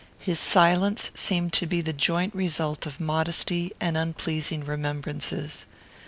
His silence seemed to be the joint result of modesty and unpleasing remembrances.